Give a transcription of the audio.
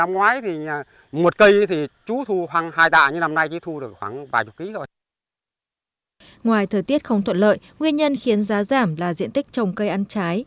ngoài thời tiết không thuận lợi nguyên nhân khiến giá giảm là diện tích trồng cây ăn trái